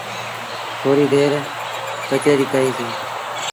ٿوريٚ دير ڪچهريٚ ڪئيٚ سيٚݩ۔